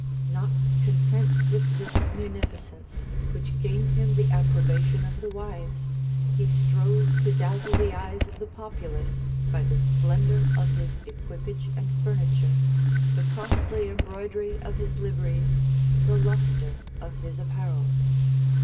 [*] Not content with this munificence, which gained him the approbation of the wise, he strove to dazzle the eyes of the populace by the splendor of his equipage and furniture, the costly embroidery of his liveries, the lustre of his apparel.